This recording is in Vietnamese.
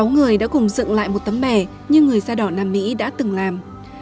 sáu người đã cùng dựng lại một tấm bè như người da đỏ nam mỹ đã từng làm